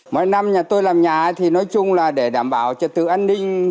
mỗi năm nhà tôi làm nhà thì nói chung là để đảm bảo trật tự an ninh